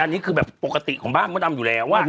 อันนี้คือแบบปกติของบ้านมดดำอยู่แล้ว